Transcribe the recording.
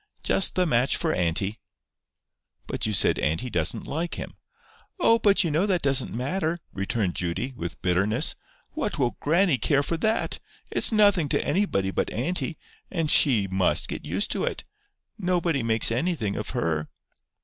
Just the match for auntie!" "But you say auntie doesn't like him." "Oh! but you know that doesn't matter," returned Judy, with bitterness. "What will grannie care for that? It's nothing to anybody but auntie, and she must get used to it. Nobody makes anything of her."